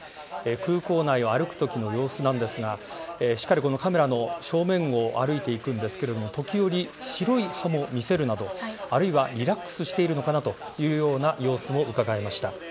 空港内を歩くときの様子なんですがしっかりカメラの正面を歩いていくんですけれども時折、白い歯も見せるなどあるいはリラックスしているのかなというような様子もうかがえました。